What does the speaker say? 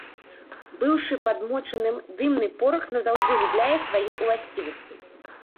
Быўшы падмочаным, дымны порах назаўжды губляе свае ўласцівасці.